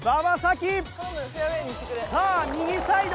さあ右サイド。